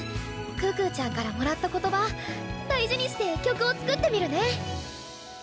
可可ちゃんからもらった言葉大事にして曲を作ってみるね。